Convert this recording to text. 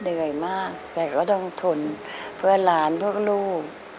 เหนื่อยมากแต่ก็ต้องทนเพื่อหลานเพื่อลูก